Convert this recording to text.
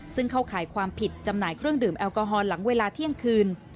ซึ่งเข้าข่ายความผิดจำหน่ายเครื่องดื่มแอลกอฮอลหลังเวลาเที่ยงคืน